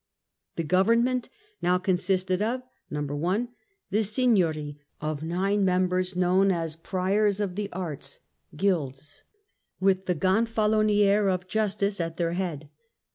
The government now consisted of :— 1. The Signory of nine members, known as Priors of the Arts (Guilds), with the Gonfalonier of Justice at their head.